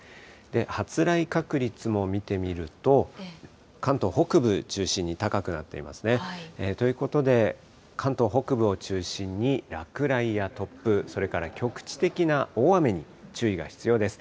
発雷確率も見てみると、関東北部中心に高くなっていますね。ということで、関東北部を中心に落雷や突風、それから局地的な大雨に注意が必要です。